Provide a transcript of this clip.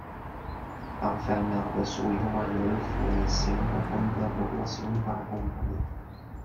La enfermedad de su hijo mayor fue siempre fuente de preocupación para Companys.